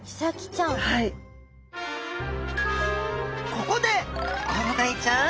ここでコロダイちゃん